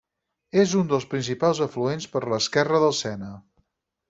És un dels principals afluents per l'esquerra del Sena.